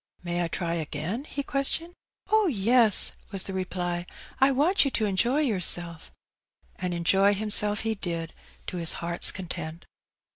May I try again?" he questioned. Oh, yes," was the reply ;" I want you to enjoy yourself. And enjoy himself he did, to his heart's content.